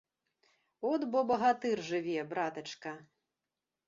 От бо багатыр жыве, братачка!